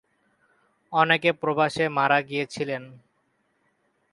অনেকে প্রবাসে মারা গিয়েছিলেন।